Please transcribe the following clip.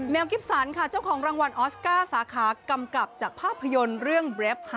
กิฟสันค่ะเจ้าของรางวัลออสการ์สาขากำกับจากภาพยนตร์เรื่องเบรฟ๕